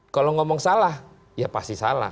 kalau ngomong salah ya pasti salah